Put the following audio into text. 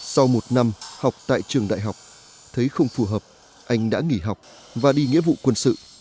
sau một năm học tại trường đại học thấy không phù hợp anh đã nghỉ học và đi nghĩa vụ quân sự